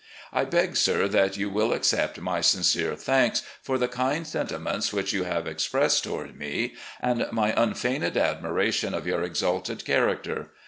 I beg, sir, that you will accept my sincere thanks for the kind sentiments which you have expressed toward me, and my tmfeigned admiration of your exalted character.